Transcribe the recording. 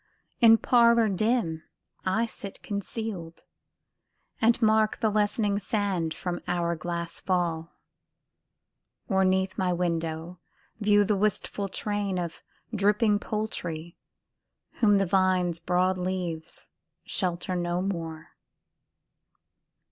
In parlour dim I sit concealed, And mark the lessening sand from hour glass fall; Or 'neath my window view the wistful train Of dripping poultry, whom the vine's broad leaves Shelter no more.